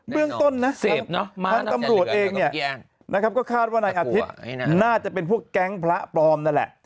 เบื้องต้นนะข้างตำรวจเองก็คาดว่าในอาทิตย์น่าจะเป็นพวกแก๊งพระปลอมนั่นแหละ